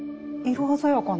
色鮮やかな。